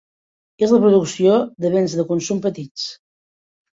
És la producció de bens de consum petits.